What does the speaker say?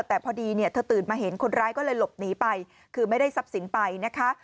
แต่พอดีเนี่ยเธอตื่นมาเห็นคนร้ายก็เลยหลบหนีไปคือไม่ได้ทรัพย์สินไปนะคะ